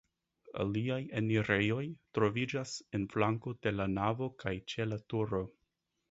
Aliaj enirejoj troviĝas en flanko de la navo kaj ĉe la turo.